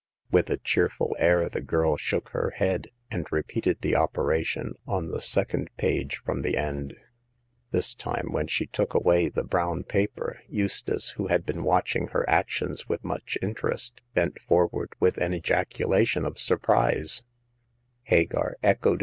With a cheerful air the girl shook her head, and repeated the operation on the second page from the end. This time, when she took away the brown paper, Eustace, who had been watching her actions with much interest, bent forward with an ejaculation of surprise* Hag^ar echoed So Hagar of the Pawn Shop.